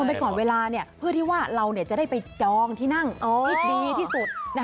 ไปก่อนเวลาเพื่อที่ว่าเราจะได้ไปจองที่นั่งที่ดีที่สุด